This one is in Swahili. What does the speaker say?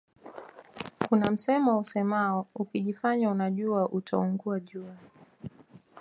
Kuna msemo usemao ukijifanya unajua utaungua jua